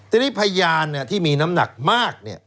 ทีนี้พยานที่มีน้ำหนักมาก